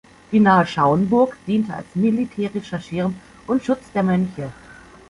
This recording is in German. Die nahe Schauenburg diente als militärischer Schirm und Schutz der Mönche.